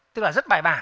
tức là rất bài bản